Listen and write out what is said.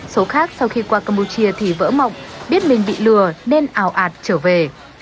số khác sau khi qua campuchia thì vỡ mộng biết mình bị lừa nên ảo ạt trở về